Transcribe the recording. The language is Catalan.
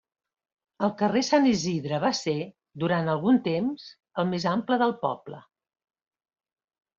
El carrer Sant Isidre va ser -durant algun temps- el més ample del poble.